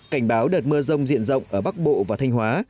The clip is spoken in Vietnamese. cảnh báo đợt mưa rông diện rộng ở bắc bộ và thanh hóa